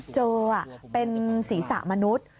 เจอเป็นศีรษะมนุษย์